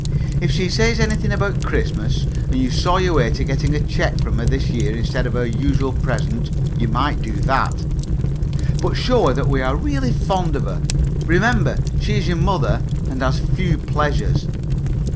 If she says anything about Christmas, and you saw your way to getting a cheque from her this year instead of her usual present, you might do that. But show her that we are really fond of her remember she is your mother, and has few pleasures.